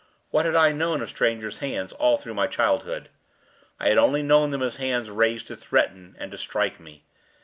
What had I known of strangers' hands all through my childhood? I had only known them as hands raised to threaten and to strike me.